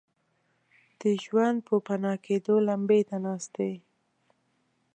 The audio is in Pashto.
د ژوند پوپناه کېدو لمبې ته ناست دي.